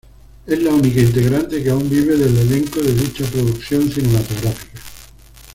Es la única integrante que aún vive del elenco de dicha producción cinematográfica.